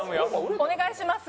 お願いします。